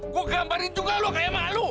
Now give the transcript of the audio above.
gua gambarin juga lu kayak mak lu